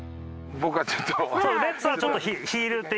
僕はちょっと。